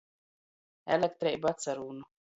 Elektreiba atsarūn.